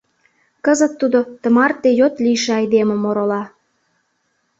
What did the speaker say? Кызыт тудо тымарте йот лийше айдемым орола.